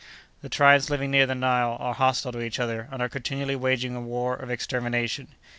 The tribes living near the Nile are hostile to each other, and are continually waging a war of extermination.